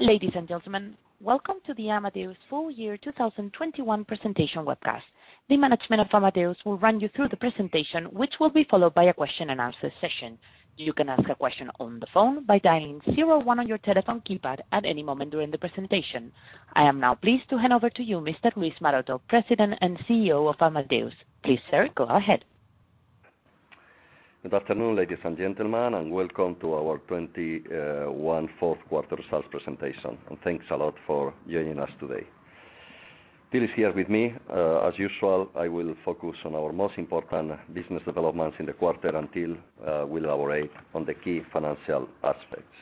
Ladies and gentlemen, welcome to the Amadeus full year 2021 presentation webcast. The management of Amadeus will run you through the presentation, which will be followed by a question and answer session. You can ask a question on the phone by dialing zero-one on your telephone keypad at any moment during the presentation. I am now pleased to hand over to you, Mr. Luis Maroto, President and CEO of Amadeus. Please, sir, go ahead. Good afternoon, ladies and gentlemen, and welcome to our 2021 fourth quarter sales presentation. Thanks a lot for joining us today. Till is here with me. As usual, I will focus on our most important business developments in the quarter, Till will elaborate on the key financial aspects.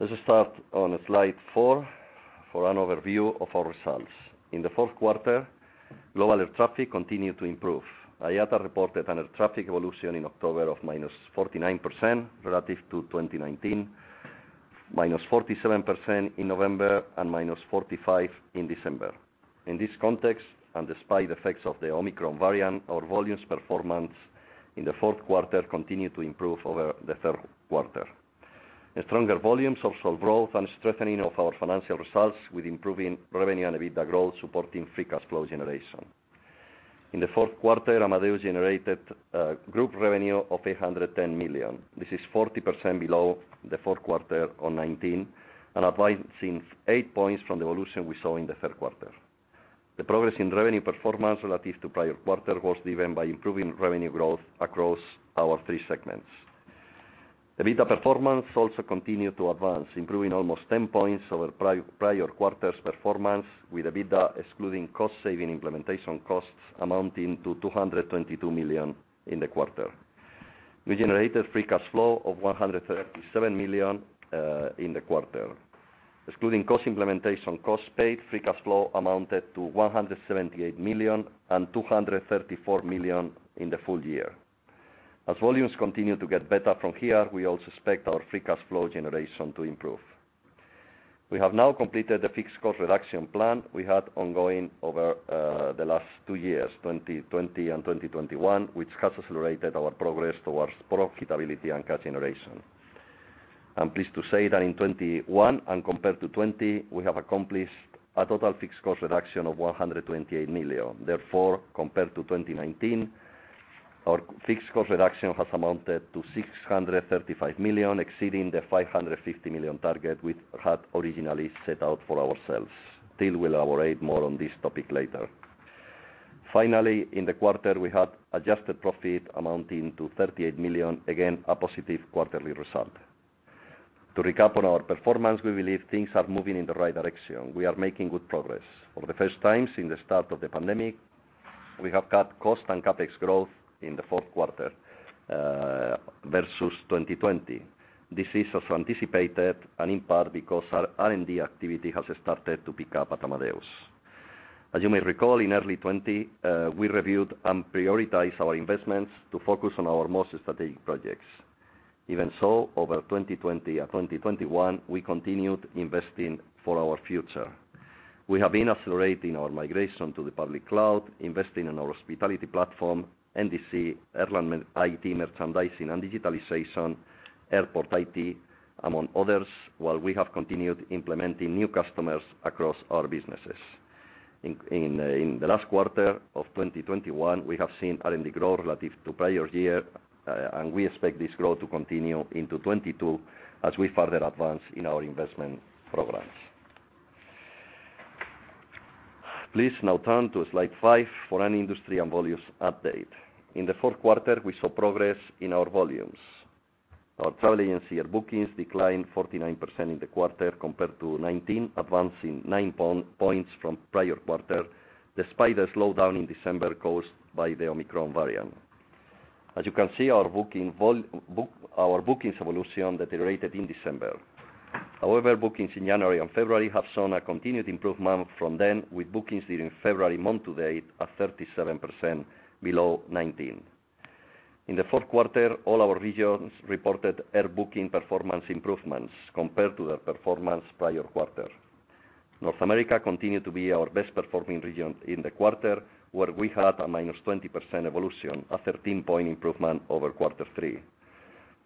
Let's start on slide four for an overview of our results. In the fourth quarter, global air traffic continued to improve. IATA reported air traffic evolution in October of minus 49%, relative to 2019, minus 47% in November, and minus 45% in December. In this context, despite the effects of the Omicron variant, our volumes performance in the fourth quarter continued to improve over the third quarter. The stronger volumes of sale growth and strengthening of our financial results, with improving revenue and EBITDA growth supporting free cash flow generation. In the fourth quarter, Amadeus generated group revenue of 810 million. This is 40% below the fourth quarter of 2019, advancing eight points from the level we saw in the third quarter. The progress in revenue performance relative to prior quarter was driven by improving revenue growth across our three segments. EBITDA performance also continued to advance, improving almost 10 points over prior quarter's performance with EBITDA, excluding cost saving implementation costs amounting to 222 million, in the quarter. We generated free cash flow of 137 million, in the quarter. Excluding cost implementation costs paid, free cash flow amounted to 178 million and 234 million in the full year. As volumes continue to get better from here, we also expect our free cash flow generation to improve. We have now completed the fixed cost reduction plan we had ongoing over the last two years, 2020 and 2021, which has accelerated our progress towards profitability and cash generation. I'm pleased to say that in 2021 and compared to 2020, we have accomplished a total fixed cost reduction of 128 million. Therefore, compared to 2019, our fixed cost reduction has amounted to 635 million, exceeding the 550 million target we had originally set out for ourselves. Till will elaborate more on this topic later. Finally, in the quarter, we had adjusted profit amounting to 38 million, again, a positive quarterly result. To recap on our performance, we believe things are moving in the right direction. We are making good progress. For the first time since the start of the pandemic, we have cut costs and CapEx growth in the fourth quarter versus 2020. This is as anticipated and in part because our R&D activity has started to pick up at Amadeus. As you may recall, in early 2020, we reviewed and prioritized our investments to focus on our most strategic projects. Even so, over 2020 and 2021, we continued investing for our future. We have been accelerating our migration to the public cloud, investing in our hospitality platform, NDC, airline IT merchandising and digitalization, airport IT, among others, while we have continued implementing new customers across our businesses. In the last quarter of 2021, we have seen R&D growth relative to prior year, and we expect this growth to continue into 2022, as we further advance in our investment programs. Please now turn to slide five for an industry and volumes update. In the fourth quarter, we saw progress in our volumes. Our travel agency air bookings declined 49% in the quarter compared to 2019, advancing nine points from prior quarter, despite a slowdown in December caused by the Omicron variant. As you can see, our bookings evolution deteriorated in December. However, bookings in January and February, have shown a continued improvement from then, with bookings during February month to date at 37% below 2019. In the fourth quarter, all our regions reported air booking performance improvements, compared to the performance prior quarter. North America continued to be our best performing region in the quarter, where we had a -20% evolution, a 13-point improvement over quarter three.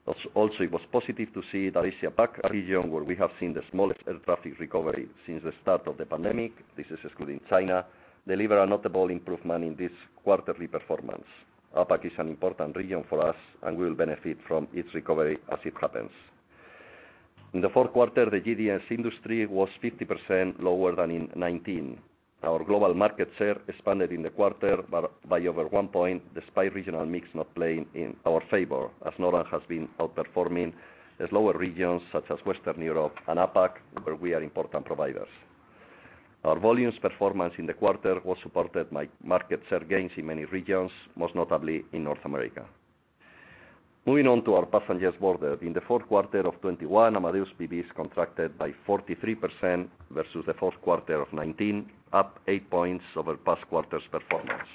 It was positive to see that Asia Pac region, where we have seen the smallest air traffic recovery since the start of the pandemic, this is excluding China, deliver a notable improvement in this quarterly performance. APAC is an important region for us, and we will benefit from its recovery as it happens. In the fourth quarter, the GDS industry was 50% lower than in 2019. Our global market share expanded in the quarter by over one point, despite regional mix not playing in our favor, as North America has been outperforming the slower regions such as Western Europe and APAC, where we are important providers. Our volumes performance in the quarter was supported by market share gains in many regions, most notably in North America. Moving on to our passengers boarded. In the fourth quarter of 2021, Amadeus PBs contracted by 43% versus the fourth quarter of 2019, up eight points over past quarter's performance.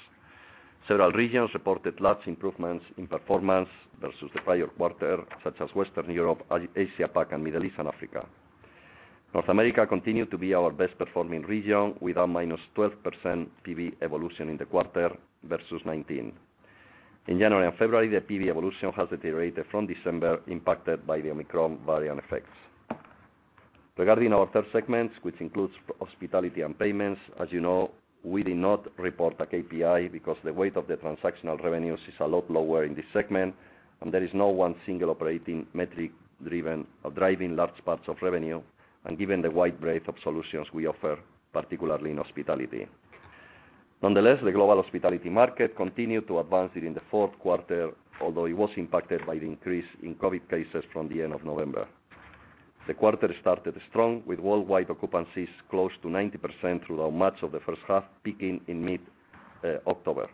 Several regions reported large improvements in performance versus the prior quarter, such as Western Europe, Asia Pacific, and Middle East and Africa. North America continued to be our best performing region with a -12% PB evolution in the quarter versus 2019. In January and February, the PB evolution has deteriorated from December, impacted by the Omicron variant effects. Regarding our third segment, which includes hospitality and payments, as you know, we did not report a KPI because the weight of the transactional revenues is a lot lower in this segment, and there is no one single operating metric driven or driving large parts of revenue, and given the wide breadth of solutions we offer, particularly in hospitality. Nonetheless, the global hospitality market continued to advance during the fourth quarter, although it was impacted by the increase in COVID cases from the end of November. The quarter started strong, with worldwide occupancies close to 90% throughout much of the first half, peaking in mid-October.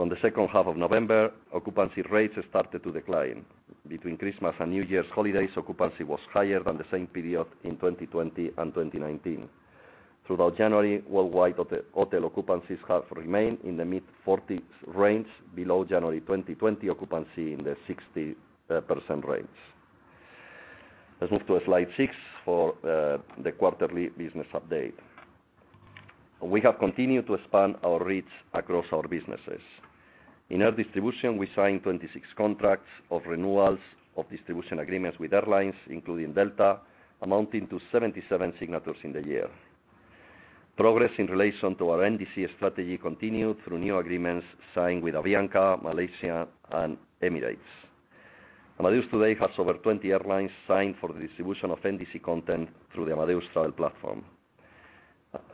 From the second half of November, occupancy rates started to decline. Between Christmas and New Year's holidays, occupancy was higher than the same period in 2020 and 2019. Throughout January, worldwide hotel occupancies have remained in the mid-40s range, below January 2020 occupancy in the 60% range. Let's move to slide six for the quarterly business update. We have continued to expand our reach across our businesses. In Air Distribution, we signed 26 contracts of renewals, of distribution agreements with airlines, including Delta, amounting to 77 signatures in the year. Progress in relation to our NDC strategy continued through new agreements signed with Avianca, Malaysia Airlines, and Emirates. Amadeus today has over 20 airlines signed for the distribution of NDC content through the Amadeus Travel Platform.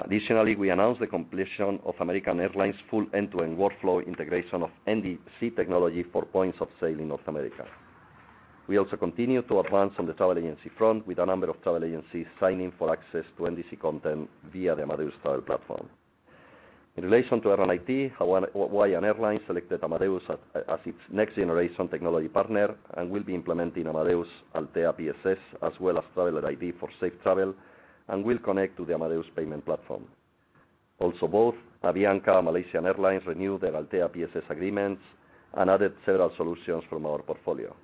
Additionally, we announced the completion of American Airlines' full end-to-end workflow integration of NDC technology for points of sale in North America. We also continue to advance on the travel agency front, with a number of travel agencies signing for access to NDC content via the Amadeus Travel Platform. In relation to Air IT, Hawaiian Airlines selected Amadeus as its next-generation technology partner and will be implementing Amadeus Altéa PSS as well as Traveler ID for Safe Travel and will connect to the Amadeus payment platform. Both Avianca and Malaysia Airlines renewed their Altéa PSS agreements and added several solutions from our portfolio.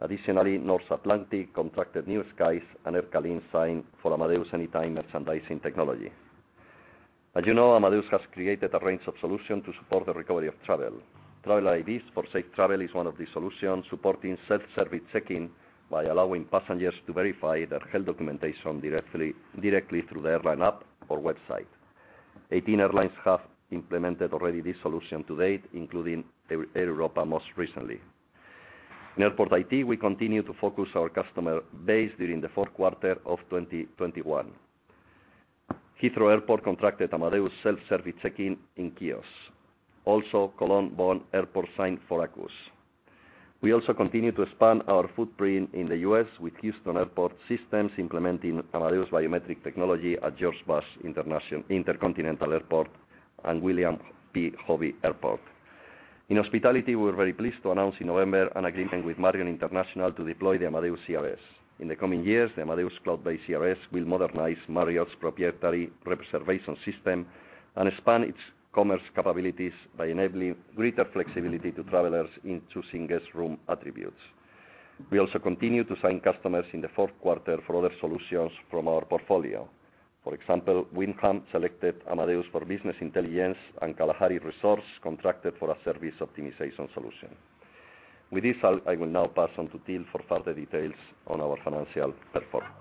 Additionally, Norse Atlantic contracted Navitaire New Skies, and Aircalin signed for Amadeus Anytime Merchandising technology. As you know, Amadeus has created a range of solutions to support the recovery of travel. Traveler ID for Safe Travel is one of the solutions supporting self-service check-in by allowing passengers to verify their health documentation directly through the airline app or website. 18 airlines have implemented already this solution to date, including Aircalin, Air Europa most recently. In Air IT, we continue to focus our customer base during the fourth quarter of 2021. Heathrow Airport contracted Amadeus self-service check-in kiosks. Also, Cologne Bonn Airport signed for ACUS. We also continue to expand our footprint in the U.S. with Houston Airport System implementing Amadeus biometric technology at George Bush Intercontinental Airport and William P. Hobby Airport. In hospitality, we're very pleased to announce in November, an agreement with Marriott International to deploy the Amadeus CRS. In the coming years, the Amadeus cloud-based CRS will modernize Marriott's proprietary reservation system and expand its commerce capabilities by enabling greater flexibility to travelers in choosing guest room attributes. We also continue to sign customers in the fourth quarter for other solutions from our portfolio. For example, Wyndham selected Amadeus for business intelligence, and Kalahari Resorts contracted for a service optimization solution. With this, I will now pass on to Till for further details on our financial performance.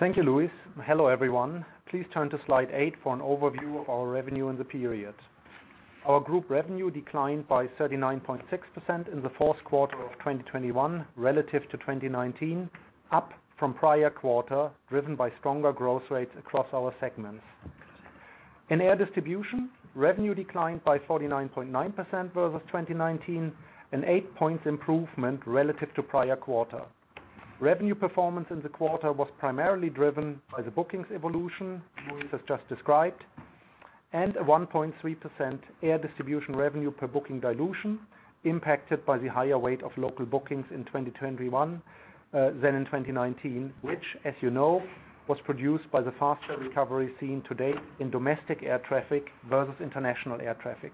Thank you, Luis. Hello, everyone. Please turn to slide eight for an overview of our revenue in the period. Our group revenue declined by 39.6% in the fourth quarter of 2021, relative to 2019, up from prior quarter, driven by stronger growth rates across our segments. In Air Distribution, revenue declined by 49.9% versus 2019, an eight point improvement relative to prior quarter. Revenue performance in the quarter was primarily driven by the bookings evolution Luis has just described and a 1.3% air distribution revenue per booking dilution impacted by the higher weight of local bookings in 2021 than in 2019, which, as you know, was produced by the faster recovery seen to date in domestic air traffic versus international air traffic.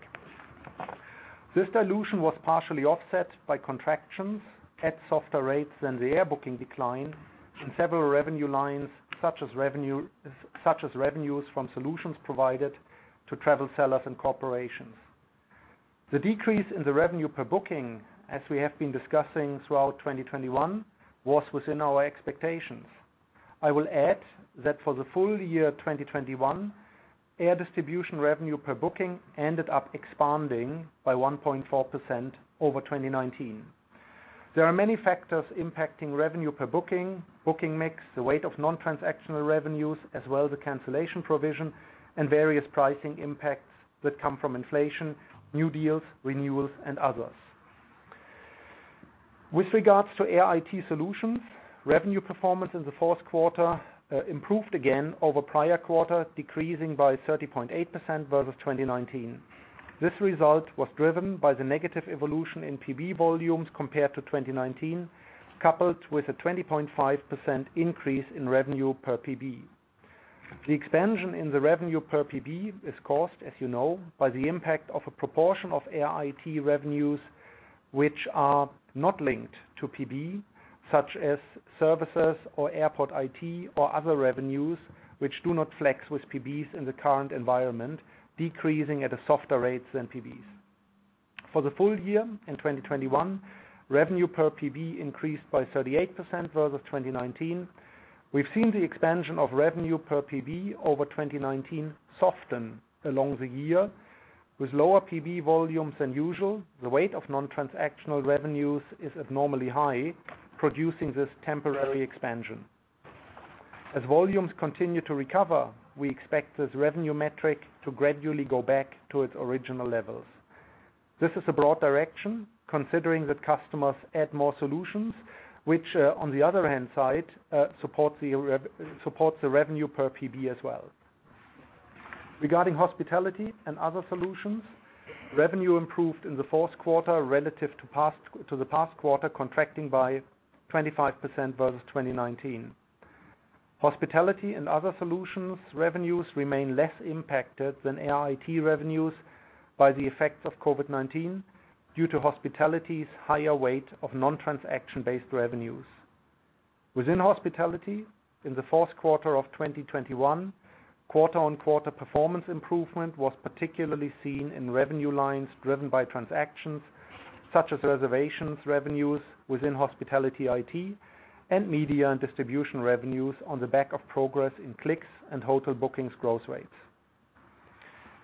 This dilution was partially offset by contractions at softer rates than the air booking decline, in several revenue lines, such as revenues from solutions provided to travel sellers and corporations. The decrease in the revenue per booking, as we have been discussing throughout 2021, was within our expectations. I will add that for the full year 2021, Air Distribution revenue per booking ended up expanding by 1.4% over 2019. There are many factors impacting revenue per booking mix, the weight of non-transactional revenues, as well as the cancellation provision and various pricing impacts that come from inflation, new deals, renewals, and others. With regards to Air IT Solutions, revenue performance in the fourth quarter improved again over prior quarter, decreasing by 30.8% versus 2019. This result was driven by the negative evolution in PB volumes compared to 2019, coupled with a 20.5% increase in revenue per PB. The expansion in the revenue per PB is caused, as you know, by the impact of a proportion of Air IT revenues, which are not linked to PB, such as services or airport IT, or other revenues which do not flex with PBs in the current environment, decreasing at a softer rate than PBs. For the full year in 2021, revenue per PB increased by 38% versus 2019. We've seen the expansion of revenue per PB over 2019 soften along the year. With lower PB volumes than usual, the weight of non-transactional revenues is abnormally high, producing this temporary expansion. As volumes continue to recover, we expect this revenue metric to gradually go back to its original levels. This is a broad direction, considering that customers add more solutions, which, on the other hand side, supports the revenue per PB as well. Regarding Hospitality and Other Solutions, revenue improved in the fourth quarter relative to the past quarter, contracting by 25% versus 2019. Hospitality and Other Solutions revenues remain less impacted than Air IT revenues, by the effects of COVID-19 due to hospitality's higher weight of non-transaction-based revenues. Within Hospitality in the fourth quarter of 2021, quarter-on-quarter performance improvement was particularly seen in revenue lines driven by transactions, such as reservations revenues within Hospitality IT and media and distribution revenues on the back of progress in clicks and hotel bookings growth rates.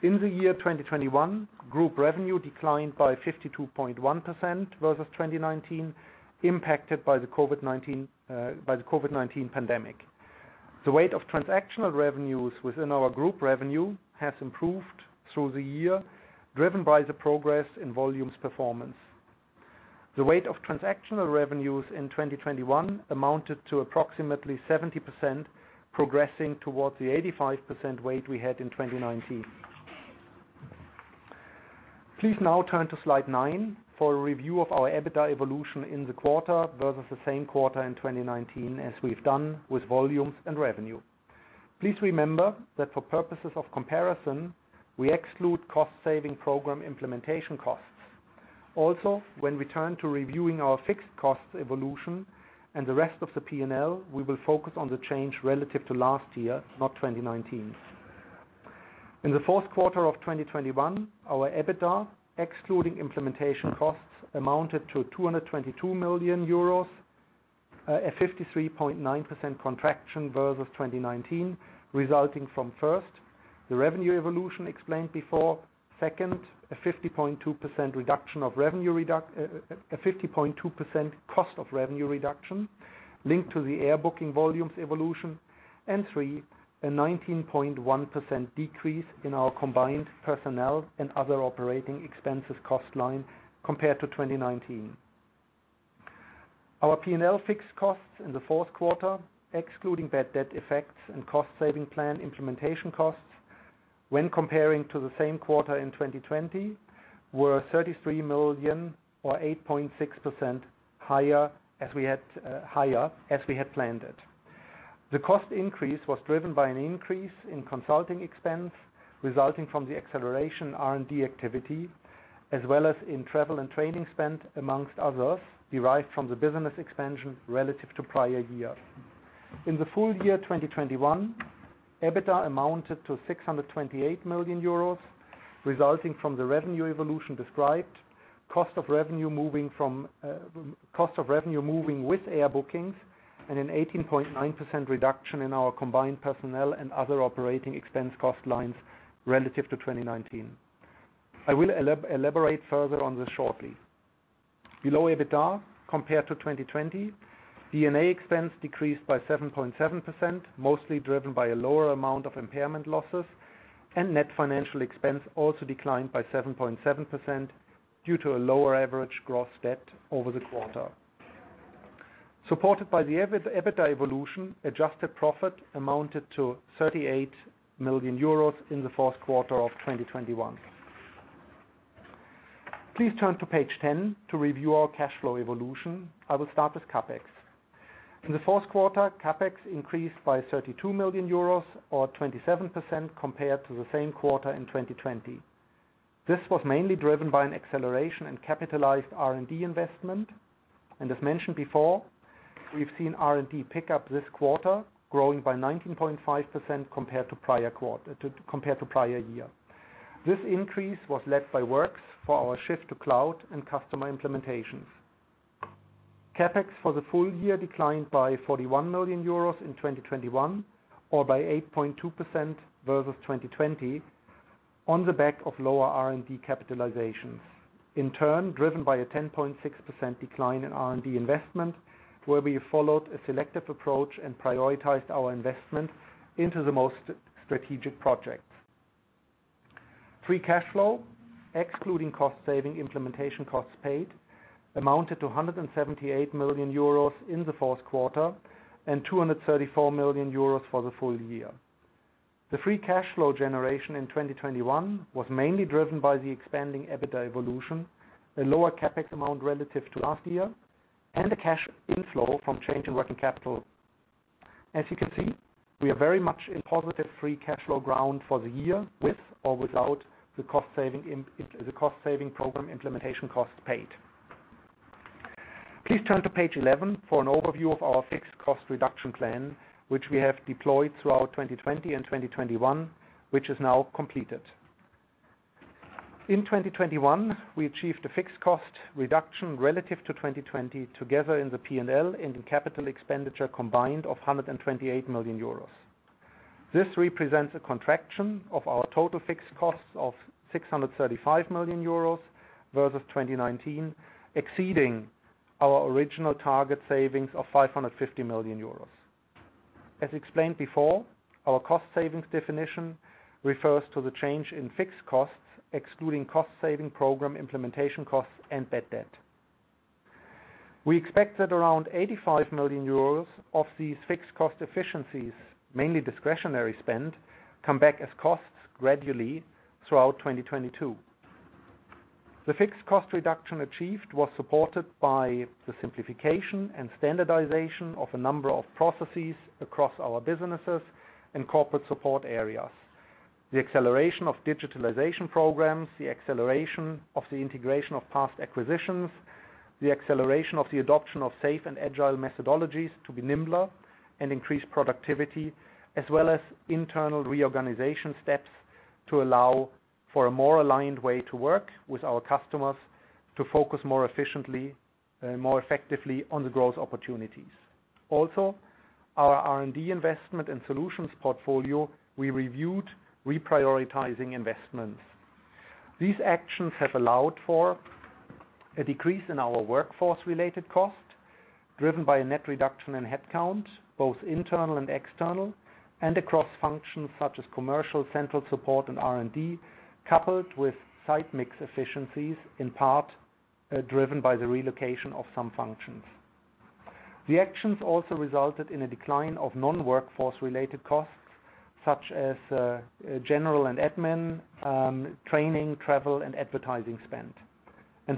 In the year 2021, group revenue declined by 52.1% versus 2019, impacted by the COVID-19 pandemic. The weight of transactional revenues within our group revenue has improved through the year, driven by the progress in volumes performance. The weight of transactional revenues in 2021, amounted to approximately 70%, progressing towards the 85% weight we had in 2019. Please now turn to slide nine for a review of our EBITDA evolution in the quarter versus the same quarter in 2019, as we've done with volumes and revenue. Please remember that for purposes of comparison, we exclude cost-saving program implementation costs. Also, when we turn to reviewing our fixed cost evolution and the rest of the P&L, we will focus on the change relative to last year, not 2019. In the fourth quarter of 2021, our EBITDA, excluding implementation costs, amounted to 222 million euros, a 53.9% contraction versus 2019, resulting from, first, the revenue evolution explained before, second, a 50.2% cost of revenue reduction linked to the air booking volumes evolution, and three, a 19.1% decrease in our combined personnel and other operating expenses cost line compared to 2019. Our P&L fixed costs in the fourth quarter, excluding bad debt effects and cost-saving plan implementation costs when comparing to the same quarter in 2020, were 33 million or 8.6% higher as we had planned it. The cost increase was driven by an increase in consulting expense resulting from the acceleration R&D activity as well as in travel and training spend, among others, derived from the business expansion relative to prior year. In the full year 2021, EBITDA amounted to 628 million euros, resulting from the revenue evolution described, cost of revenue moving with air bookings and an 18.9% reduction in our combined personnel and other operating expense cost lines relative to 2019. I will elaborate further on this shortly. Below EBITDA, compared to 2020, D&A expense decreased by 7.7%, mostly driven by a lower amount of impairment losses, and net financial expense also declined by 7.7%, due to a lower average gross debt over the quarter. Supported by the EBITDA evolution, adjusted profit amounted to 38 million euros in the fourth quarter of 2021. Please turn to page 10 to review our cash flow evolution. I will start with CapEx. In the fourth quarter, CapEx increased by 32 million euros or 27% compared to the same quarter in 2020. This was mainly driven by an acceleration in capitalized R&D investment. As mentioned before, we've seen R&D pick up this quarter, growing by 19.5% compared to prior year. This increase was led by works for our shift to cloud and customer implementations. CapEx for the full year declined by 41 million euros in 2021 or by 8.2% versus 2020 on the back of lower R&D capitalizations, in turn driven by a 10.6% decline in R&D investment, where we followed a selective approach and prioritized our investment, into the most strategic projects. Free cash flow, excluding cost saving implementation costs paid, amounted to 178 million euros in the fourth quarter and 234 million euros for the full year. The free cash flow generation in 2021, was mainly driven by the expanding EBITDA evolution, a lower CapEx amount relative to last year, and the cash inflow from change in working capital. As you can see, we are very much in positive free cash flow ground for the year, with or without the cost saving program implementation costs paid. Please turn to page 11, for an overview of our fixed cost reduction plan, which we have deployed throughout 2020 and 2021, which is now completed. In 2021, we achieved a fixed cost reduction relative to 2020 together in the P&L and in capital expenditure combined of 128 million euros. This represents a contraction of our total fixed costs of 635 million euros versus 2019, exceeding our original target savings of 550 million euros. As explained before, our cost savings definition refers to the change in fixed costs, excluding cost saving program implementation costs and bad debt. We expect that around 85 million euros, of these fixed cost efficiencies, mainly discretionary spend, come back as costs gradually throughout 2022. The fixed cost reduction achieved was supported by the simplification and standardization of a number of processes across our businesses, and corporate support areas. The acceleration of digitalization programs, the acceleration of the integration of past acquisitions, the acceleration of the adoption of safe and agile methodologies to be nimbler, and increase productivity, as well as internal reorganization steps, to allow for a more aligned way to work with our customers to focus more efficiently, more effectively on the growth opportunities. Also, our R&D investment and solutions portfolio, we reviewed reprioritizing investments. These actions have allowed for a decrease in our workforce-related costs, driven by a net reduction in headcount, both internal and external, and across functions such as commercial, central support, and R&D, coupled with site mix efficiencies, in part, driven by the relocation of some functions. The actions also resulted in a decline of non-workforce related costs, such as, general and admin, training, travel, and advertising spend.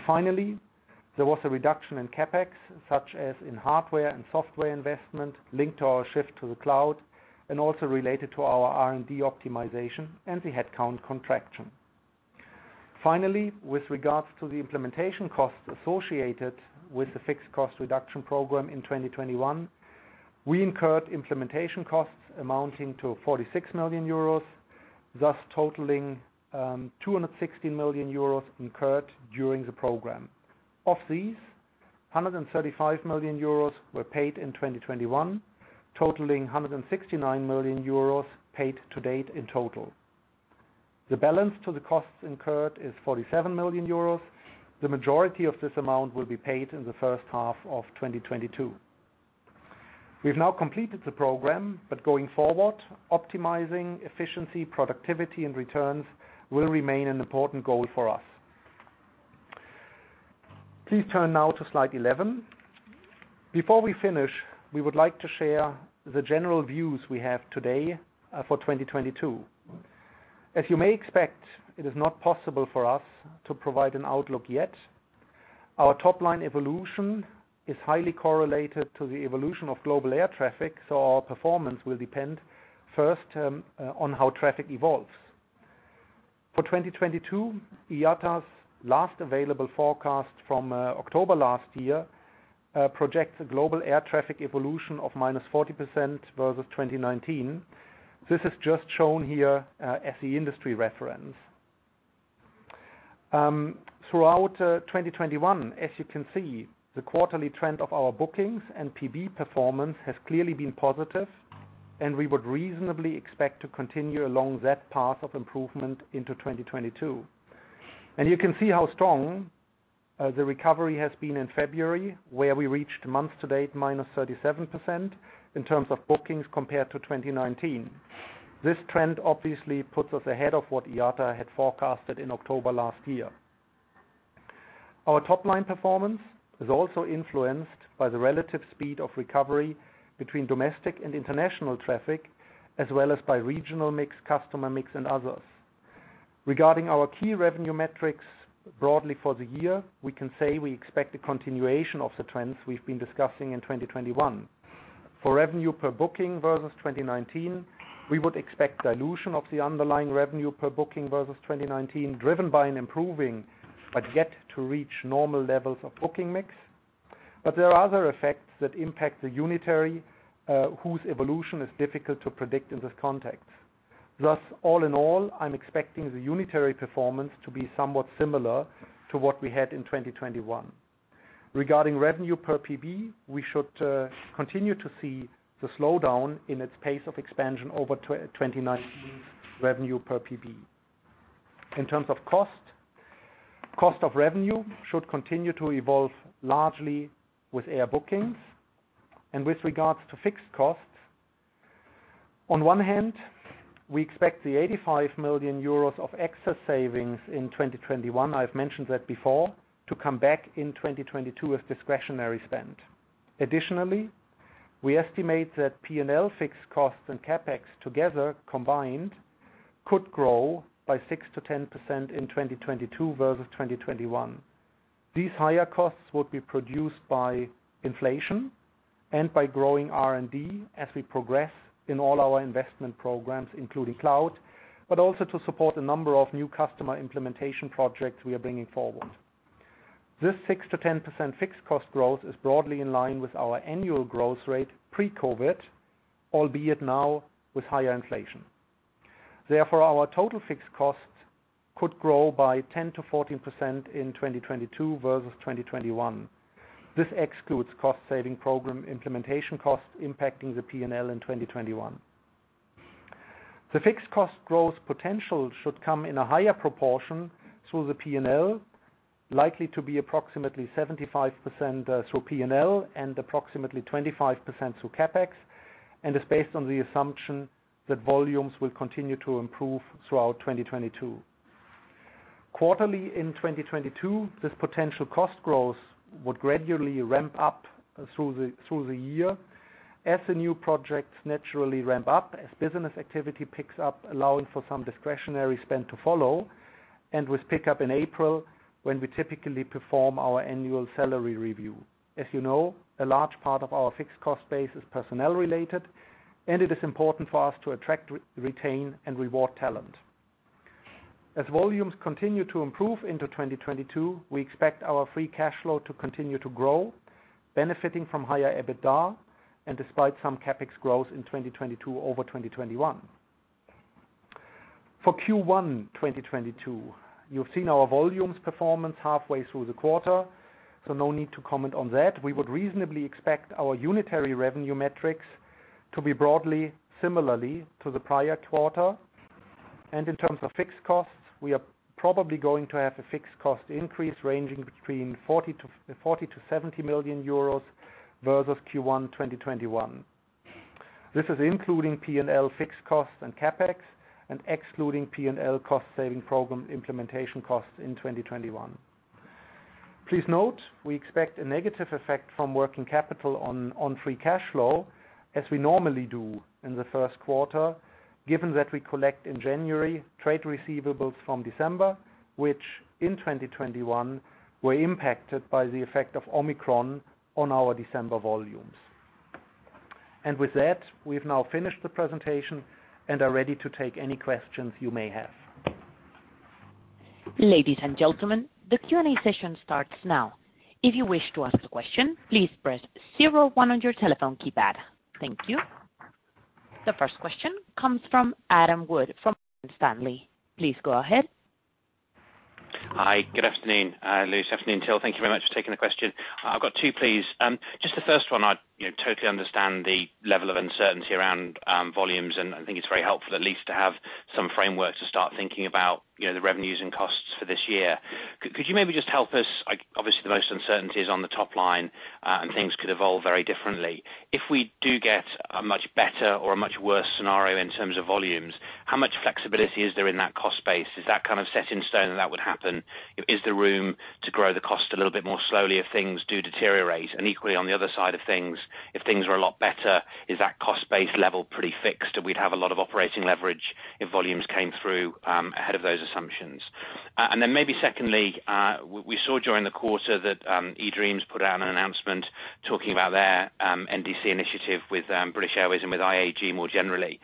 Finally, there was a reduction in CapEx, such as in hardware and software investment linked to our shift to the cloud, and also related to our R&D optimization and the headcount contraction. Finally, with regards to the implementation costs associated with the fixed cost reduction program in 2021, we incurred implementation costs amounting to 46 million euros, thus totaling, 260 million euros incurred during the program. Of these, 135 million euros were paid in 2021, totaling 169 million euros paid to date in total. The balance to the costs incurred is 47 million euros. The majority of this amount will be paid in the first half of 2022. We've now completed the program, but going forward, optimizing efficiency, productivity, and returns will remain an important goal for us. Please turn now to slide 11. Before we finish, we would like to share the general views we have today for 2022. As you may expect, it is not possible for us to provide an outlook yet. Our top line evolution is highly correlated to the evolution of global air traffic, so our performance will depend first on how traffic evolves. For 2022, IATA's last available forecast from October last year projects a global air traffic evolution of -40% versus 2019. This is just shown here as the industry reference. Throughout 2021, as you can see, the quarterly trend of our bookings and PB performance has clearly been positive, and we would reasonably expect to continue along that path of improvement into 2022. You can see how strong the recovery has been in February, where we reached month to date -37%, in terms of bookings compared to 2019. This trend obviously puts us ahead of what IATA had forecasted in October last year. Our top-line performance is also influenced by the relative speed of recovery between domestic and international traffic, as well as by regional mix, customer mix, and others. Regarding our key revenue metrics broadly for the year, we can say we expect a continuation of the trends we've been discussing in 2021. For revenue per booking versus 2019, we would expect dilution of the underlying revenue per booking versus 2019, driven by an improving, but yet to reach normal levels of booking mix. There are other effects that impact the unitary, whose evolution is difficult to predict in this context. Thus, all in all, I'm expecting the unitary performance to be somewhat similar to what we had in 2021. Regarding revenue per PB, we should continue to see the slowdown in its pace of expansion over 2019's revenue per PB. In terms of cost, cost of revenue should continue to evolve largely with air bookings. With regards to fixed costs, on one hand, we expect the 85 million euros of excess savings in 2021, I've mentioned that before, to come back in 2022 with discretionary spend. Additionally, we estimate that P&L fixed costs and CapEx together combined, could grow by 6%-10% in 2022 versus 2021. These higher costs will be produced by inflation, and by growing R&D as we progress in all our investment programs, including cloud, but also to support a number of new customer implementation projects we are bringing forward. This 6%-10% fixed cost growth is broadly in line with our annual growth rate pre-COVID, albeit now with higher inflation. Therefore, our total fixed costs could grow by 10%-14% in 2022 versus 2021. This excludes cost saving program implementation costs impacting the P&L in 2021. The fixed cost growth potential should come in a higher proportion through the P&L, likely to be approximately 75% through P&L and approximately 25% through CapEx, and is based on the assumption that volumes will continue to improve throughout 2022. Quarterly in 2022, this potential cost growth, would gradually ramp up through the year, as the new projects naturally ramp up, as business activity picks up, allowing for some discretionary spend to follow, and with pickup in April when we typically perform our annual salary review. As you know, a large part of our fixed cost base is personnel related, and it is important for us to attract, retain, and reward talent. As volumes continue to improve into 2022, we expect our free cash flow to continue to grow, benefiting from higher EBITDA and despite some CapEx growth in 2022 over 2021. For Q1 2022, you've seen our volumes performance halfway through the quarter, so no need to comment on that. We would reasonably expect our unitary revenue metrics to be broadly similar to the prior quarter. In terms of fixed costs, we are probably going to have a fixed cost increase ranging between 40 million-70 million euros, versus Q1 2021. This is including P&L fixed costs and CapEx and excluding P&L cost saving program implementation costs in 2021. Please note, we expect a negative effect from working capital on free cash flow, as we normally do in the first quarter, given that we collect in January, trade receivables from December, which in 2021, were impacted by the effect of Omicron on our December volumes. With that, we've now finished the presentation and are ready to take any questions you may have. Ladies and gentlemen, the Q&A session starts now. If you wish to ask a question, please press zero one on your telephone keypad. Thank you. The first question comes from Adam Wood from Morgan Stanley. Please go ahead. Hi. Good afternoon, Luis. Afternoon, Till. Thank you very much for taking the question. I've got two, please. Just the first one. I, you know, totally understand the level of uncertainty around volumes, and I think it's very helpful at least to have, some framework to start thinking about, you know, the revenues and costs for this year. Could you maybe just help us, like obviously the most uncertainty is on the top line, and things could evolve very differently. If we do get a much better or a much worse scenario in terms of volumes, how much flexibility is there in that cost base? Is that kind of set in stone and that would happen? Is there room to grow the cost a little bit more slowly if things do deteriorate? Equally, on the other side of things, if things are a lot better, is that cost base level pretty fixed, and we'd have a lot of operating leverage if volumes came through ahead of those assumptions? Then maybe secondly, we saw during the quarter that eDreams put out an announcement, talking about their NDC initiative with British Airways and with IAG more generally.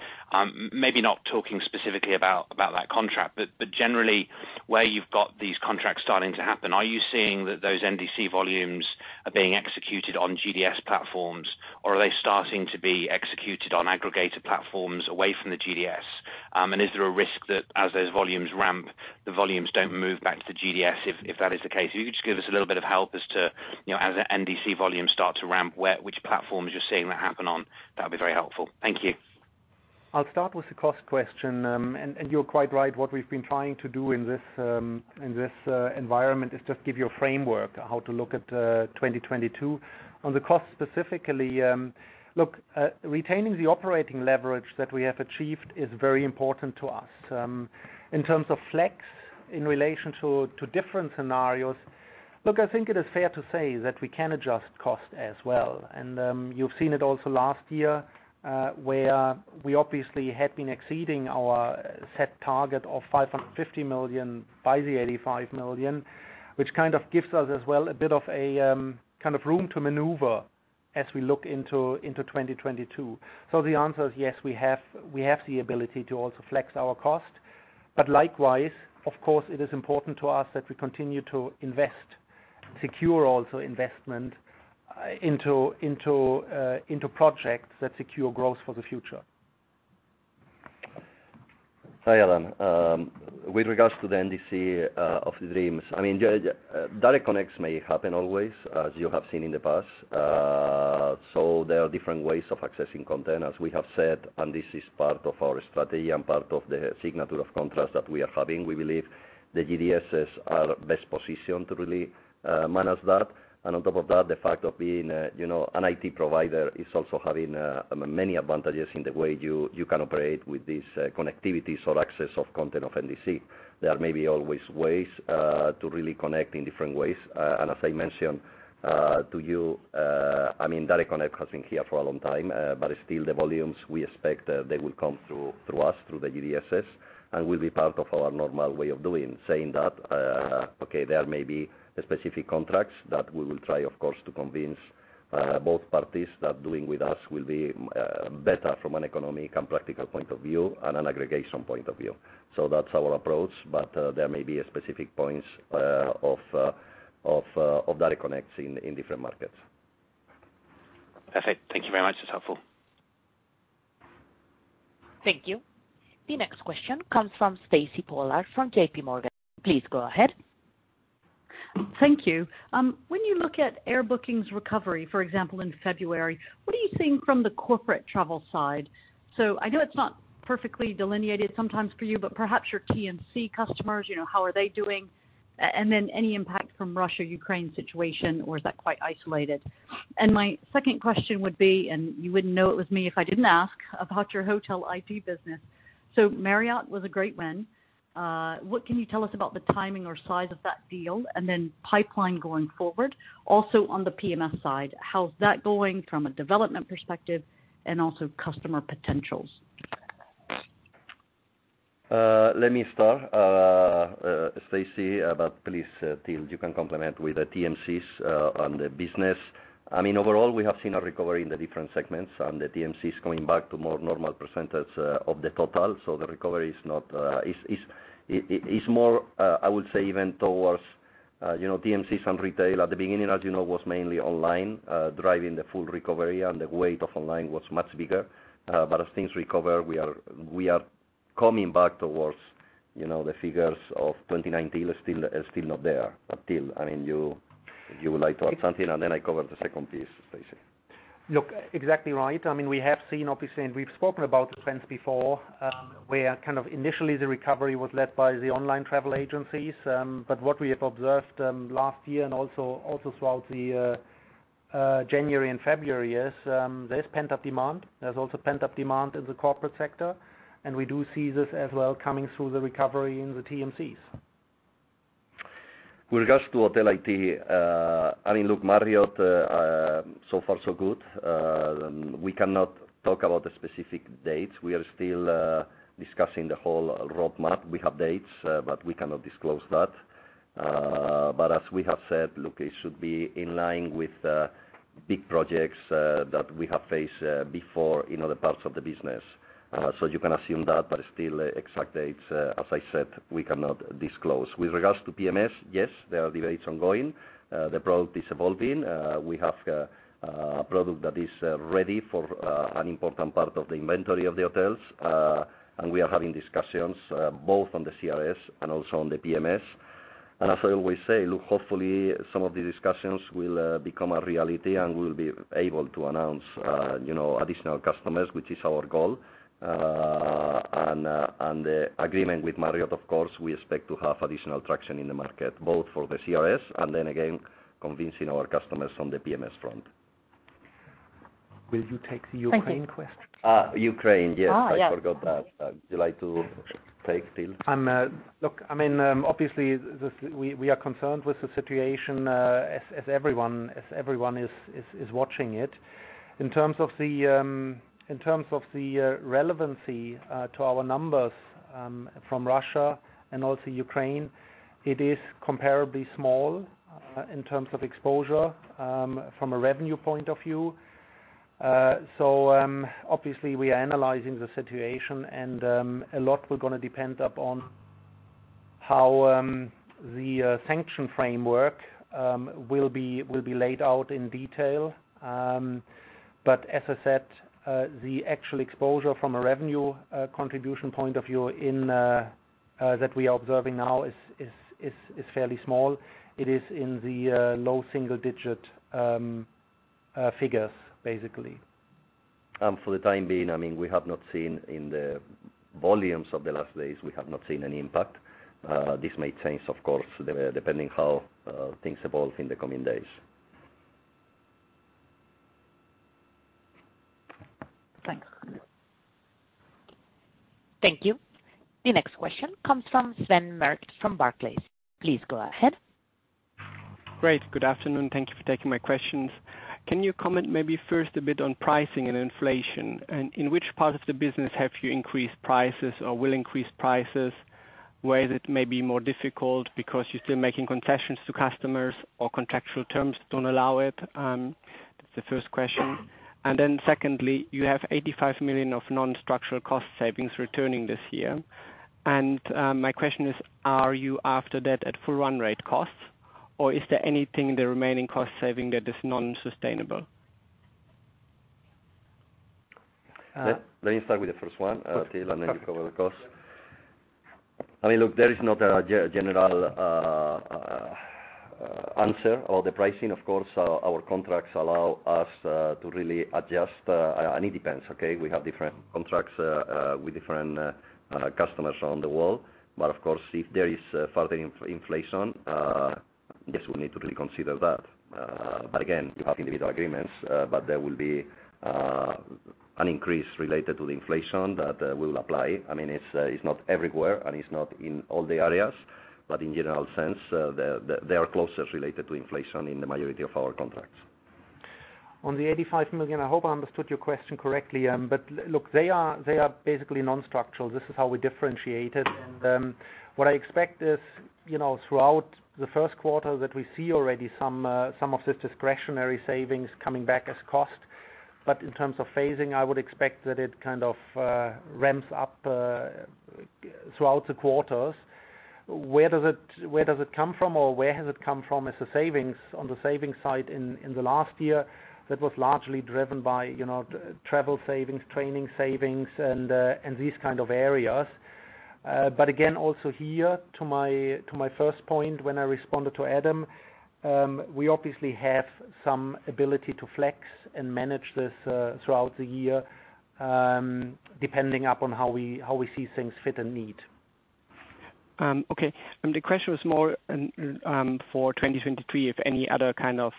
Maybe not talking specifically about that contract, but generally where you've got these contracts starting to happen, are you seeing that those NDC volumes, are being executed on GDS platforms, or are they starting to be executed on aggregator platforms away from the GDS? And is there a risk that as those volumes ramp, the volumes don't move back to the GDS if that is the case? If you could just give us a little bit of help as to, you know, as the NDC volumes start to ramp, where, which platforms you're seeing that happen on, that'd be very helpful. Thank you. I'll start with the cost question. You're quite right. What we've been trying to do in this environment is just give you a framework how to look at 2022. On the cost specifically, retaining the operating leverage that we have achieved is very important to us. In terms of flex in relation to different scenarios, I think it is fair to say that we can adjust cost as well. You've seen it also last year, where we obviously had been exceeding our set target of 550 million by 85 million, which kind of gives us as well a bit of a kind of room to maneuver as we look into 2022. The answer is yes, we have the ability to also flex our cost. Likewise, of course, it is important to us that we continue to invest, secure also investment into projects that secure growth for the future. Hi, Adam. With regards to the NDC of eDreams, I mean, direct connects may happen always, as you have seen in the past. There are different ways of accessing content, as we have said, and this is part of our strategy and part of the signing of contracts that we are having. We believe the GDSs are best positioned to really manage that. On top of that, the fact of being, you know, an IT provider is also having many advantages in the way you can operate with these connectivities or access of content of NDC. There may be always ways to really connect in different ways. As I mentioned to you, I mean, direct connect has been here for a long time, but still the volumes we expect they will come through us, through the GDSs, and will be part of our normal way of doing. Saying that, there may be specific contracts that we will try, of course, to convince both parties that doing with us will be better from an economic and practical point of view and an aggregation point of view. That's our approach, but there may be specific points of direct connects in different markets. Perfect. Thank you very much. That's helpful. Thank you. The next question comes from Stacy Pollard from JPMorgan. Please go ahead. Thank you. When you look at air bookings recovery, for example, in February, what are you seeing from the corporate travel side? I know it's not perfectly delineated sometimes for you, but perhaps your TMC customers, you know, how are they doing, and then any impact from Russia, Ukraine situation, or is that quite isolated? My second question would be, and you wouldn't know it was me if I didn't ask about your hotel IT business. Marriott was a great win. What can you tell us about the timing or size of that deal? And then pipeline going forward, also on the PMS side, how's that going from a development perspective and also customer potentials? Stacy, about please, Till, you can complement with the TMCs on the business. I mean, overall, we have seen a recovery in the different segments, and the TMCs are coming back to more normal percentage of the total. The recovery is more, I would say, even towards, you know, TMCs and retail. At the beginning, as you know, was mainly online driving the full recovery, and the weight of online was much bigger. But as things recover, we are coming back towards, you know, the figures of 2019. Still not there. Till, I mean, you, if you would like to add something, and then I cover the second piece, Stacy. Look, exactly right. I mean, we have seen, obviously, and we've spoken about the trends before, where kind of initially the recovery was led by the online travel agencies. What we have observed last year and also throughout January and February, is there's pent-up demand. There's also pent-up demand in the corporate sector, and we do see this as well coming through the recovery in the TMCs. With regards to hotel IT, I mean, look, Marriott, so far so good. We cannot talk about the specific dates. We are still discussing the whole roadmap. We have dates, but we cannot disclose that. As we have said, look, it should be in line with big projects that we have faced before in other parts of the business. You can assume that, but still exact dates, as I said, we cannot disclose. With regards to PMS, yes, there are debates ongoing. The product is evolving. We have a product that is ready for an important part of the inventory of the hotels. We are having discussions both on the CRS and also on the PMS. As I always say, look, hopefully some of the discussions will become a reality, and we'll be able to announce, you know, additional customers, which is our goal. The agreement with Marriott, of course, we expect to have additional traction in the market, both for the CRS and then again convincing our customers on the PMS front. Will you take the Ukraine question? Thank you. Ukraine. Yes. Yes. I forgot that. Would you like to take, Till? Look, I mean, obviously this, we are concerned with the situation as everyone is watching it. In terms of the relevancy to our numbers from Russia and also Ukraine, it is comparably small, in terms of exposure from a revenue point of view. Obviously we are analyzing the situation, and a lot we're gonna depend upon, how the sanction framework will be laid out in detail. As I said, the actual exposure from a revenue contribution point of view in that we are observing now is fairly small. It is in the low single digit figures, basically. For the time being, I mean, we have not seen in the volumes of the last days any impact. This may change, of course, depending how things evolve in the coming days. Thanks. Thank you. The next question comes from Sven Merkt from Barclays. Please go ahead. Great. Good afternoon. Thank you for taking my questions. Can you comment maybe first a bit on pricing and inflation? In which part of the business have you increased prices or will increase prices? Where is it maybe more difficult because you're still making concessions to customers, or contractual terms don't allow it? That's the first question. Then secondly, you have 85 million of non-structural cost savings returning this year. My question is, are you after that at full run rate costs or is there anything in the remaining cost saving that is non-sustainable? Let me start with the first one, Till, and then you cover the cost. Sure. I mean, look, there is not a general answer. All the pricing, of course, our contracts allow us to really adjust, and it depends, okay? We have different contracts with different customers around the world. Of course, if there is further inflation, yes, we need to really consider that. Again, you have individual agreements, but there will be an increase related to the inflation that will apply. I mean, it's not everywhere, and it's not in all the areas, but in general sense, there are clauses related to inflation in the majority of our contracts. On the 85 million, I hope I understood your question correctly. Look, they are basically non-structural. This is how we differentiate it. What I expect is, you know, throughout the first quarter that we see already some of this discretionary savings coming back as cost. In terms of phasing, I would expect that it kind of ramps up throughout the quarters. Where does it come from or where has it come from as a savings on the savings side in the last year, that was largely driven by, you know, travel savings, training savings and these kind of areas. Again, also here to my first point when I responded to Adam, we obviously have some ability to flex and manage this throughout the year, depending upon how we see things fit and need. Okay. The question was more for 2023, if any other kind of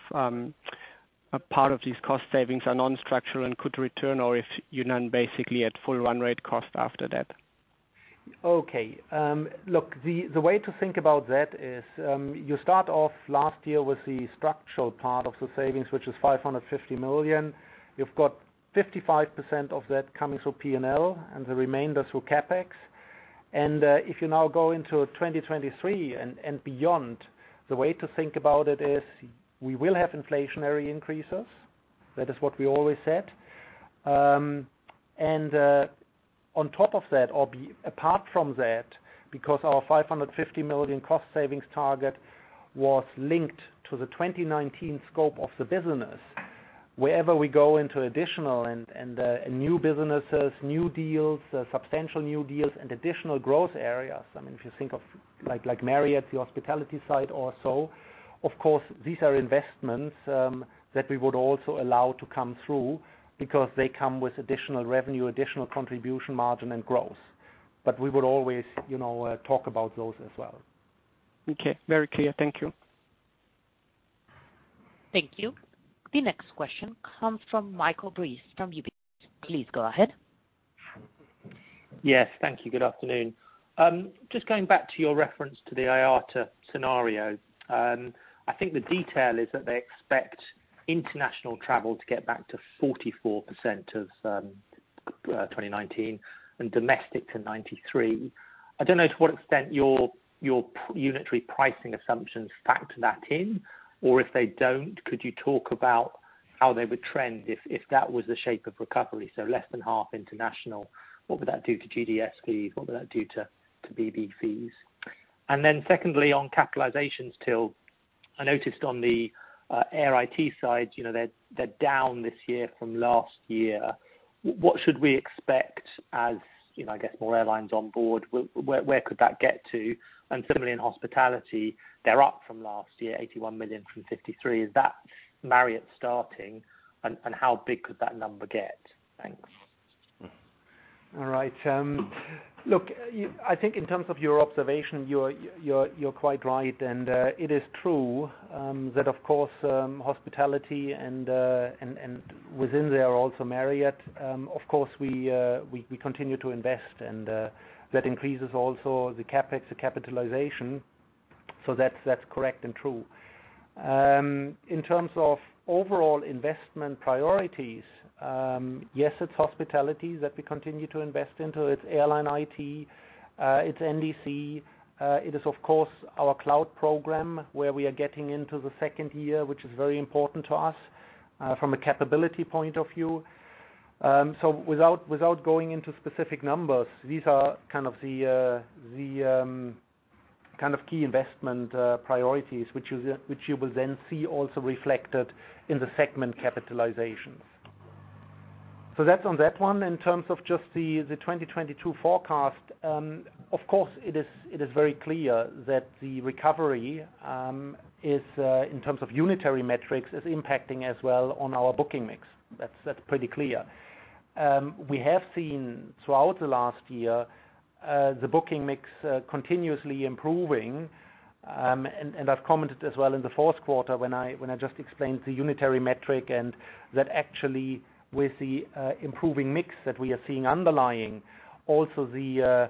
part of these cost savings are non-structural and could return or if none basically at full run rate cost after that. Okay. Look, the way to think about that is you start off last year with the structural part of the savings, which is 550 million. You've got 55% of that coming through P&L and the remainder through CapEx. If you now go into 2023 and beyond, the way to think about it is we will have inflationary increases. That is what we always said. On top of that or apart from that, because our 550 million cost savings target was linked to the 2019 scope of the business. Wherever we go into additional and new businesses, new deals, substantial new deals and additional growth areas, I mean, if you think of like Marriott, the hospitality side also, of course these are investments that we would also allow to come through, because they come with additional revenue, additional contribution margin and growth. But we would always, you know, talk about those as well. Okay. Very clear. Thank you. Thank you. The next question comes from Michael Briest from UBS. Please go ahead. Yes. Thank you. Good afternoon. Just going back to your reference to the IATA scenario. I think the detail is that they expect international travel to get back to 44% of 2019, and domestic to 93%. I don't know to what extent your unitary pricing assumptions factor that in, or if they don't, could you talk about how they would trend if that was the shape of recovery, so less than half international, what would that do to GDS fees? What would that do to BB fees? And then secondly, on CapEx, Till, I noticed on the Air IT side, you know, they're down this year from last year. What should we expect as, you know, I guess, more airlines on board? Where could that get to? Similarly in hospitality, they're up from last year, 81 million from 53 million. Is that Marriott starting? How big could that number get? Thanks. All right. Look, I think in terms of your observation, you're quite right. It is true that of course, hospitality and within there also Marriott, of course we continue to invest and that increases also the CapEx, the capitalization. That's correct and true. In terms of overall investment priorities, yes, it's hospitality that we continue to invest into. It's airline IT, it's NDC. It is of course our cloud program where we are getting into the second year, which is very important to us from a capability point of view. So without going into specific numbers, these are kind of the key investment priorities which you will then see also reflected in the segment capitalizations. That's on that one. In terms of just the 2022 forecast, of course it is very clear that the recovery, is in terms of unitary metrics impacting as well on our booking mix. That's pretty clear. We have seen throughout the last year, the booking mix continuously improving. And I've commented as well in the fourth quarter when I just explained the unitary metric and that actually with the improving mix that we are seeing underlying, also the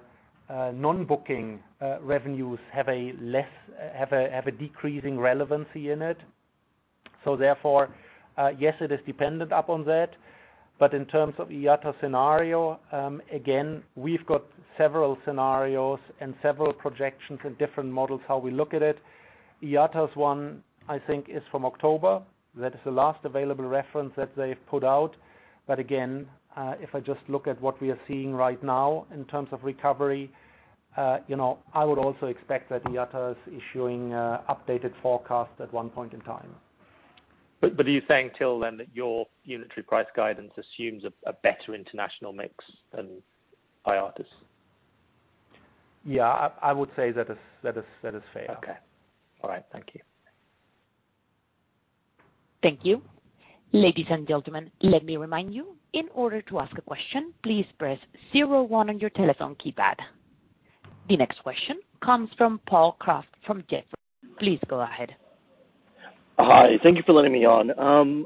non-booking revenues have a less decreasing relevancy in it. So therefore, yes, it is dependent upon that. But in terms of IATA scenario, again, we've got several scenarios and several projections and different models how we look at it. IATA's one I think is from October. That is the last available reference that they've put out. Again, if I just look at what we are seeing right now in terms of recovery, you know, I would also expect that IATA is issuing updated forecast at one point in time. Are you saying until then that your unitary price guidance assumes a better international mix than IATA's? Yeah, I would say that is fair. Okay. All right. Thank you. Thank you. Ladies and gentlemen, let me remind you, in order to ask a question, please press 01 on your telephone keypad. The next question comes from Paul Croft from Jefferies. Please go ahead. Hi. Thank you for letting me on.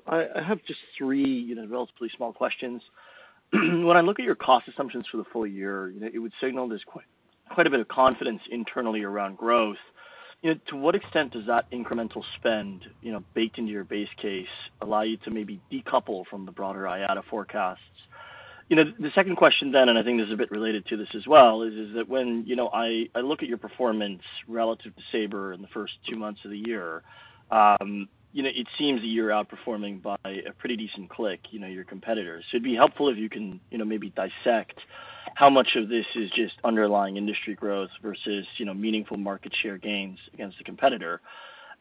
I have just three, you know, relatively small questions. When I look at your cost assumptions for the full year, you know, it would signal there's quite a bit of confidence internally around growth. You know, to what extent does that incremental spend, you know, baked into your base case allow you to maybe decouple from the broader IATA forecasts? You know, the second question then, and I think this is a bit related to this as well, is that when, you know, I look at your performance relative to Sabre in the first two months of the year, you know, it seems that you're outperforming by a pretty decent clip, you know, your competitors. It'd be helpful if you can, you know, maybe dissect how much of this is just underlying industry growth versus, you know, meaningful market share gains against the competitor.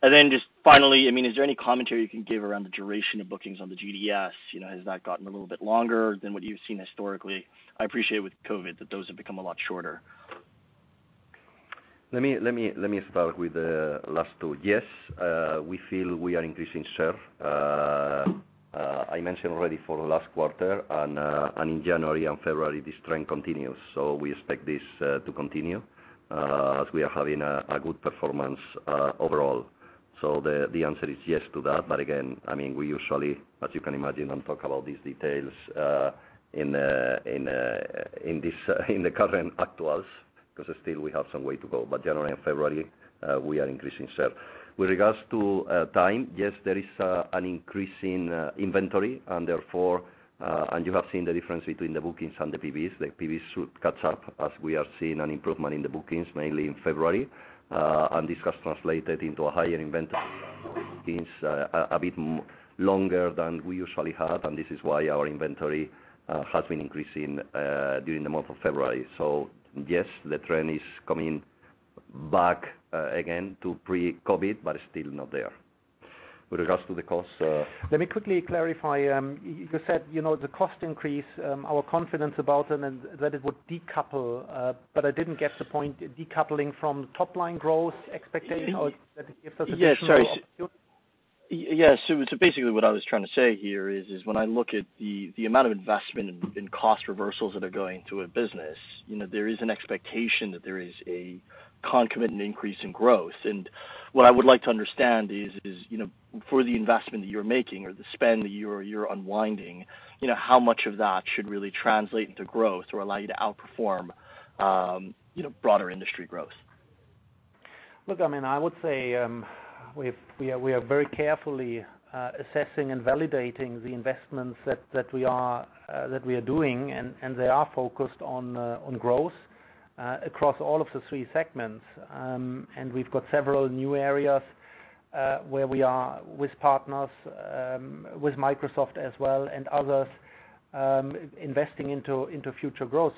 Just finally, I mean, is there any commentary you can give around the duration of bookings on the GDS? You know, has that gotten a little bit longer than what you've seen historically? I appreciate, with COVID, that those have become a lot shorter. Let me start with the last two. Yes, we feel we are increasing share. I mentioned already for last quarter and in January and February this trend continues. We expect this to continue, as we are having a good performance overall. The answer is yes to that. Again, I mean, we usually, as you can imagine, don't talk about these details in the current actuals because still we have some way to go. January and February, we are increasing share. With regards to time, yes, there is an increase in inventory and therefore and you have seen the difference between the bookings and the PBs. The PBs should catch up as we are seeing an improvement in the bookings mainly in February. This has translated into a higher inventory a bit longer than we usually have, and this is why our inventory has been increasing during the month of February. Yes, the trend is coming back again to pre-COVID, but it's still not there. With regards to the cost. Let me quickly clarify. You said, you know, the cost increase, our confidence about it and that it would decouple, but I didn't get the point decoupling from top-line growth expectation or if there's a potential. Basically what I was trying to say here is when I look at the amount of investment in cost reversals that are going through a business, you know, there is an expectation that there is a concomitant increase in growth. What I would like to understand is, you know, for the investment that you're making or the spend that you're unwinding, you know, how much of that should really translate into growth or allow you to outperform, you know, broader industry growth? Look, I mean, I would say, we are very carefully assessing and validating the investments that we are doing, and they are focused on growth, across all of the three segments. We've got several new areas where we are with partners with Microsoft as well and others investing into future growth.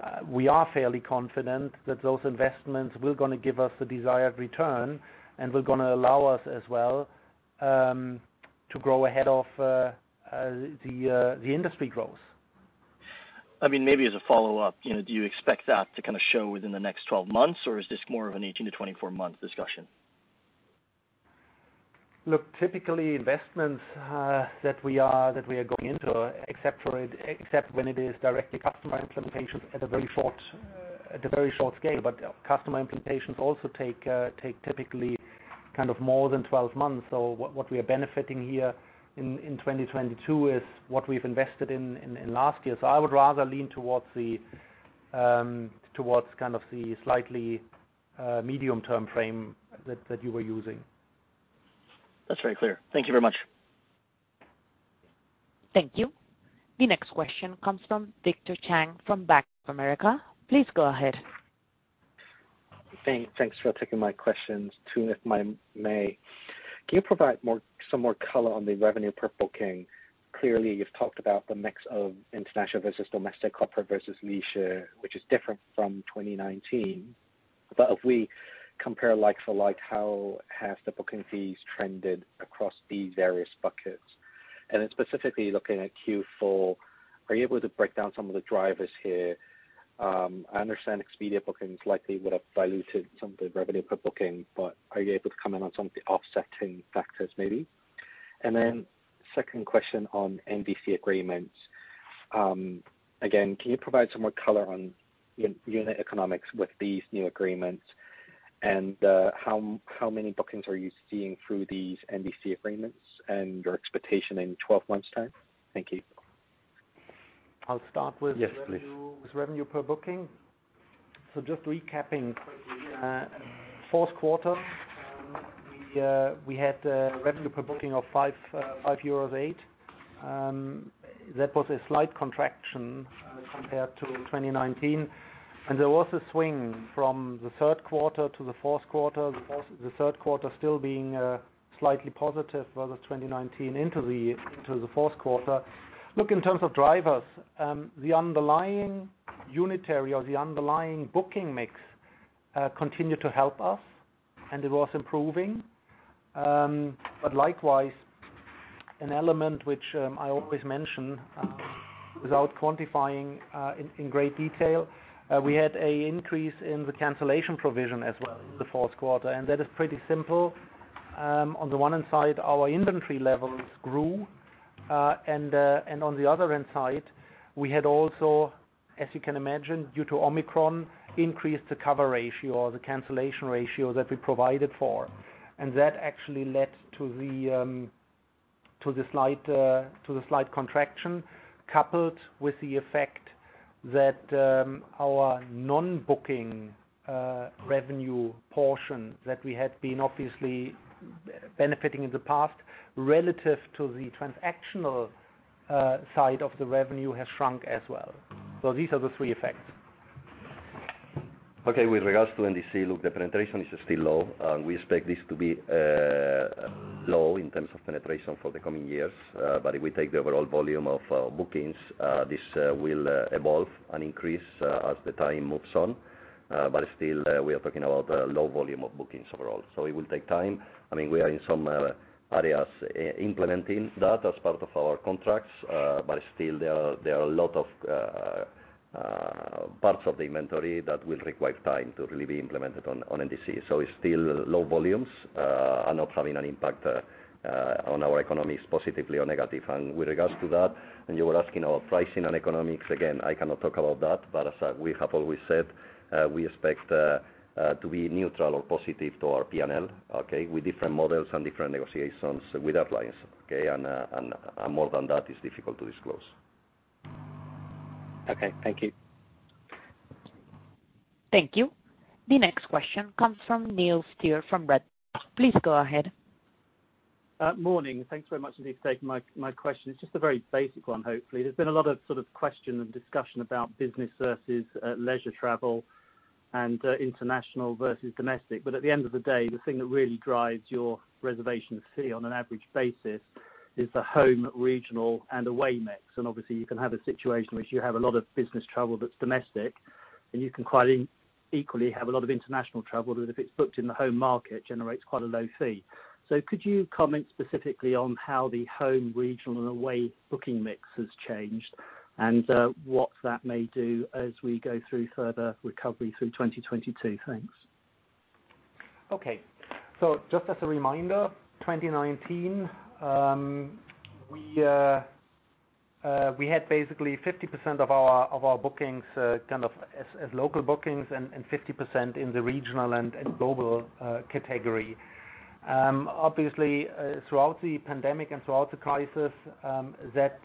Yes, we are fairly confident that those investments will gonna give us the desired return and will gonna allow us as well to grow ahead of the industry growth. I mean, maybe as a follow-up, you know, do you expect that to kinda show within the next 12 months, or is this more of an 18- to 24-month discussion? Look, typically, investments that we are going into, except when it is directly customer implementations at a very short scale. Customer implementations also take typically kind of more than 12 months. What we are benefiting here in 2022, is what we've invested in last year. I would rather lean towards kind of the slightly medium-term frame that you were using. That's very clear. Thank you very much. Thank you. The next question comes from Victor Cheng from Bank of America. Please go ahead. Thanks for taking my questions. Two, if I may. Can you provide some more color on the revenue per booking? Clearly, you've talked about the mix of international versus domestic, corporate versus leisure, which is different from 2019. If we compare like for like, how has the booking fees trended across these various buckets? Specifically looking at Q4, are you able to break down some of the drivers here? I understand Expedia bookings likely would have diluted some of the revenue per booking, but are you able to comment on some of the offsetting factors maybe? Second question on NDC agreements. Again, can you provide some more color on unit economics with these new agreements? How many bookings are you seeing through these NDC agreements, and your expectation in 12 months' time? Thank you. I'll start with. Yes, please. Revenue, with revenue per booking. Just recapping quickly, fourth quarter, we had a revenue per booking of 5.08 euros. That was a slight contraction compared to 2019. There was a swing from the third quarter to the fourth quarter. The third quarter still being slightly positive for the 2019 into the fourth quarter. Look, in terms of drivers, the underlying unitary or the underlying booking mix continued to help us, and it was improving. But likewise, an element which I always mention without quantifying in great detail, we had an increase in the cancellation provision as well in the fourth quarter. That is pretty simple. On the one hand side, our inventory levels grew. On the other hand side, we had also, as you know, as you can imagine, due to Omicron, increased the cover ratio or the cancellation ratio that we provided for. That actually led to the slight contraction, coupled with the effect that our non-booking, revenue portion that we had been obviously benefiting in the past relative to the transactional side of the revenue has shrunk as well. These are the three effects. Okay. With regards to NDC, look, the penetration is still low. We expect this to be low in terms of penetration for the coming years. If we take the overall volume of bookings, this will evolve and increase as the time moves on. Still, we are talking about a low volume of bookings overall. It will take time. I mean, we are in some areas implementing that as part of our contracts. Still there are a lot of parts of the inventory that will require time to really be implemented on NDC. It's still low volumes are not having an impact on our economics, positively or negative. With regards to that, and you were asking about pricing and economics, again, I cannot talk about that. As we have always said, we expect to be neutral or positive to our P&L, okay? With different models and different negotiations with airlines, okay? More than that, it's difficult to disclose. Okay, thank you. Thank you. The next question comes from Neil Steer from Redburn. Please go ahead. Morning. Thanks very much indeed for taking my question. It's just a very basic one, hopefully. There's been a lot of sort of question and discussion about business versus leisure travel and international versus domestic. At the end of the day, the thing that really drives your reservation fee on an average basis, is the home regional and away mix. Obviously you can have a situation in which you have a lot of business travel that's domestic, and you can quite equally have a lot of international travel that if it's booked in the home market, generates quite a low fee. Could you comment specifically on how the home regional and away booking mix has changed, and what that may do as we go through further recovery through 2022? Thanks. Okay. Just as a reminder, 2019, we had basically 50% of our bookings kind of as local bookings and 50% in the regional and global category. Obviously, throughout the pandemic and throughout the crisis, that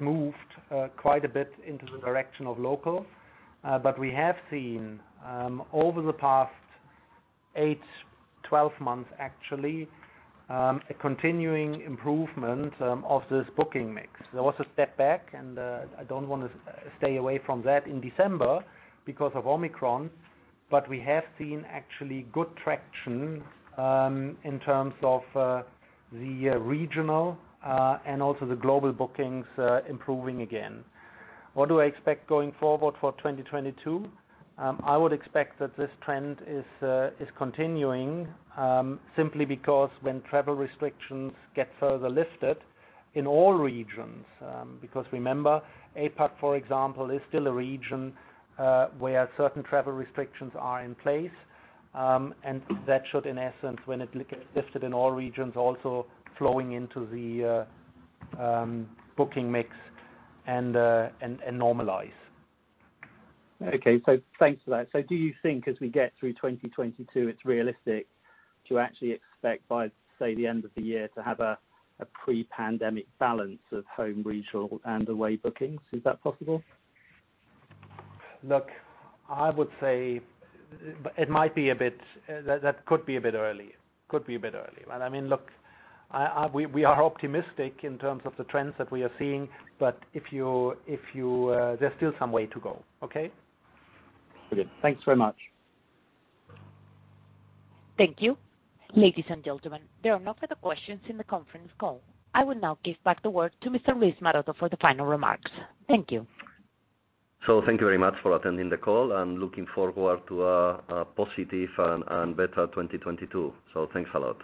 moved quite a bit into the direction of local. We have seen over the past eight, 12 months actually a continuing improvement of this booking mix. There was a step back, and I don't wanna stay away from that in December because of Omicron, but we have seen actually good traction, in terms of the regional, and also the global bookings improving again. What do I expect going forward for 2022? I would expect that this trend is continuing, simply because when travel restrictions get further lifted in all regions, because remember, APAC, for example, is still a region where certain travel restrictions are in place, and that should, in essence, when it gets lifted in all regions, also flowing into the booking mix and normalize. Okay. Thanks for that. Do you think as we get through 2022, it's realistic to actually expect by, say, the end of the year, to have a pre-pandemic balance of home regional and away bookings? Is that possible? Look, I would say it might be a bit. That could be a bit early. I mean, look, we are optimistic in terms of the trends that we are seeing, but if you, there's still some way to go. Okay? Very good. Thanks very much. Thank you. Ladies and gentlemen, there are no further questions in the conference call. I will now give back the word to Mr. Luis Maroto for the final remarks. Thank you. Thank you very much for attending the call. I'm looking forward to a positive and better 2022. Thanks a lot.